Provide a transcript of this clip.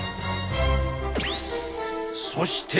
そして。